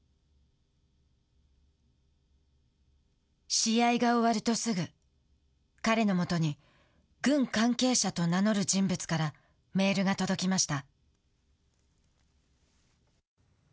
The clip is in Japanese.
試合が終わるとすぐ彼のもとに軍関係者と名乗る人物からメールが届きました。